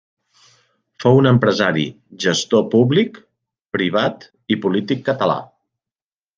Fou un empresari, gestor públic, privat i polític català.